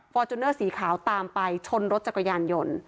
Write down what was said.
จูเนอร์สีขาวตามไปชนรถจักรยานยนต์